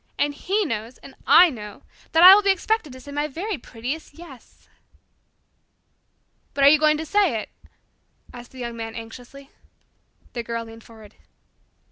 And he knows and I know that I will be expected to say my very prettiest 'yes.'" "But are you going to say it?" asked the Young Man anxiously. The Girl leaned forward.